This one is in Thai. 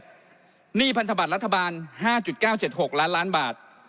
หนี้พันธบัตรรัฐบาล๕๙๗๖ล้านล้านบาท